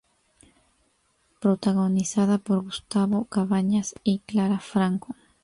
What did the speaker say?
Protagonizada por Gustavo Cabañas y Clara Franco.